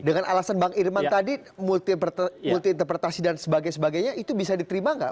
dengan alasan bang irman tadi multi interpretasi dan sebagainya itu bisa diterima nggak